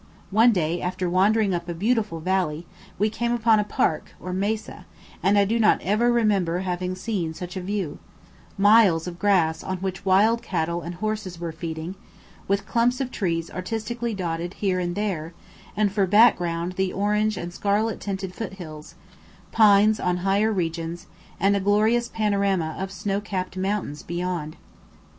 One day, after wandering up a beautiful valley, we came upon a Park or "Mesa," and I do not ever remember having seen such a view: miles of grass on which wild cattle and horses were feeding, with clumps of trees artistically dotted here and there, and for background the orange and scarlet tinted foot hills, pines on higher regions, and a glorious panorama of snow capped mountains beyond.